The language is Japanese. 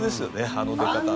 あの出方ね。